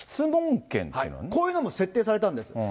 こういうのも設定されたんです。